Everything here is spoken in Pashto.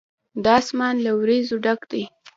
دا آسمان له وريځو ډک دی.